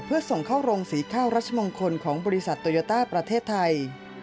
จะส่งเข้าโรงศรีข้าวรัชมงคลของบริษัทตอยัตตาประเทศไทย